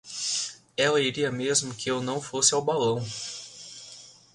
Ela iria mesmo que eu não fosse ao balão.